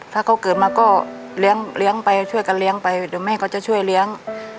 ถ้าเขาเกิดมาก็เลี้ยงไปช่วยกันเลี้ยงไปเดี๋ยวแม่ก็จะช่วยเลี้ยง